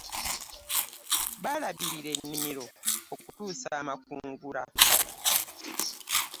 Balabirira ennimiro okutuusa amakungula.